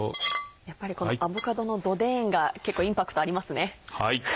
やっぱりアボカドのドデンが結構インパクトありますね。